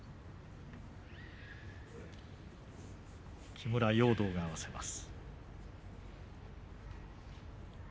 木村容堂が合わせます。